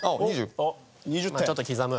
ちょっと刻む？